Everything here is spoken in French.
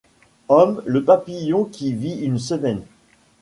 Homme, le papillon qui vit une semaine